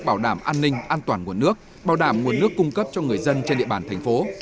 bảo đảm an ninh an toàn nguồn nước bảo đảm nguồn nước cung cấp cho người dân trên địa bàn thành phố